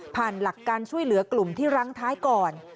หลักการช่วยเหลือกลุ่มที่รั้งท้ายก่อน